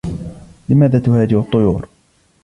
لماذا تهاجر الطيور؟